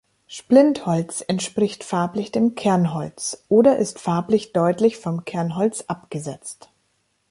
Splintholz entspricht farblich dem Kernholz oder ist farblich deutlich vom Kernholz abgesetzt.